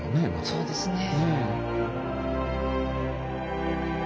そうですね。